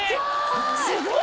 すごい！